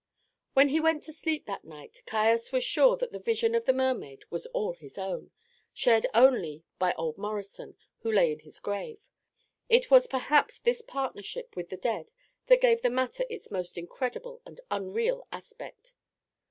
When he went to sleep that night Caius was sure that the vision of the mermaid was all his own, shared only by old Morrison, who lay in his grave. It was perhaps this partnership with the dead that gave the matter its most incredible and unreal aspect.